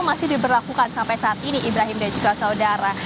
masih diberlakukan sampai saat ini ibrahim dan juga saudara